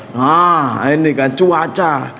nah ini kan cuaca